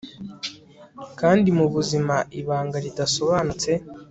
kandi mubuzima, ibanga ridasobanutse